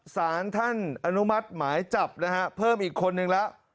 สารท่านอนุมัติหมายจับนะฮะเพิ่มอีกคนนึงแล้ว